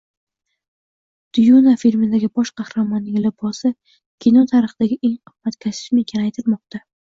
Dyuna filmidagi bosh qahramonning libosi kino tarixidagi eng qimmat kostyum ekani aytilmoqda